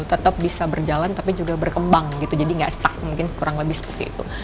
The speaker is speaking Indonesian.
tetap bisa berjalan tapi juga berkembang gitu jadi nggak stuck mungkin kurang lebih seperti itu